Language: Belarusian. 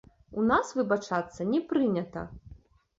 У нас выбачацца не прынята.